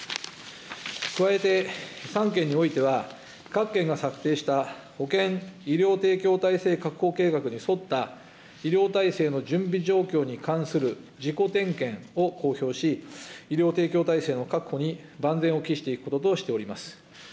加えて、３県においては、各県が策定した保健医療提供体制確保計画に沿った医療体制の準備状況に関する自己点検を公表し、医療提供体制の確保に万全を期していくこととしています。